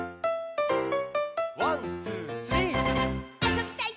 「ワンツースリー」「あそびたい！